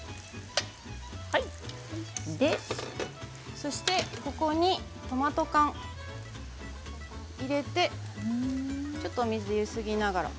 そして、ここにトマト缶を入れてちょっとお水でゆすぎながら。